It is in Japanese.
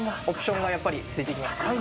オプションがやっぱり付いてきます。